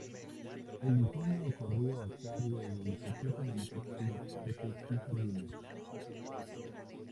El diseño corrió a cargo del Instituto Municipal de Parques y Jardines.